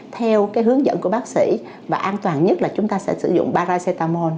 theo cái hướng dẫn của bác sĩ và an toàn nhất là chúng ta sẽ sử dụng paracetamol